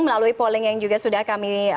melalui polling yang juga sudah kami